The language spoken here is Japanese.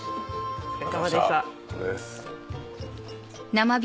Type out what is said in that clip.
お疲れさまでした。